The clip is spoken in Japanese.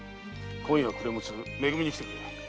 今夜暮れ六ツめ組に来てくれ。